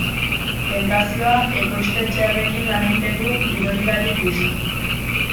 Tentazioa ekoiztetxearekin lan egiten du gidoilari gisa.